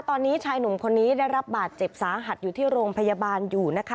ตอนนี้ชายหนุ่มคนนี้ได้รับบาดเจ็บสาหัสอยู่ที่โรงพยาบาลอยู่นะคะ